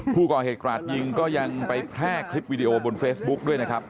ผู้ก่อเหตุกราดยิงก็ยังไปแพร่คลิปวิดีโอบนเฟซบุ๊กด้วยนะครับ